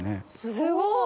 すごい！